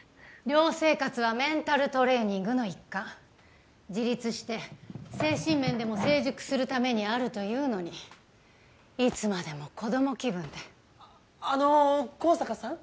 寮生活はメンタルトレーニングの一環自立して精神面でも成熟するためにあるというのにいつまでも子供気分であの香坂さん？